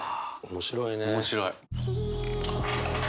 面白い。